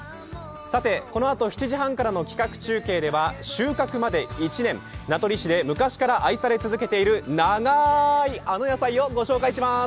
さて、このあと７時半からの企画中継では収穫まで１年、名取市で昔から愛され続けている長いあの野菜をご紹介します！